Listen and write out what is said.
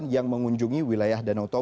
dengan enam puluh ribunya